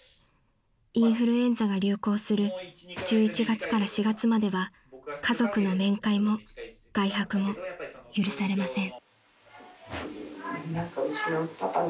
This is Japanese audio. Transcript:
［インフルエンザが流行する１１月から４月までは家族の面会も外泊も許されません］